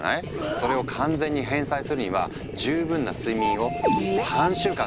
それを完全に返済するには十分な睡眠を３週間続ける必要があるんだ。